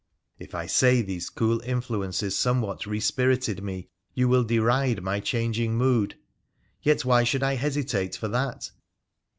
If I say these cool influences some what resphited me, you will deride my changing mood, let why should I hesitate for that